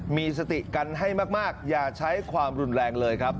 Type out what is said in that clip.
มีสติกันให้มากอย่าใช้ความรุนแรงเลยครับ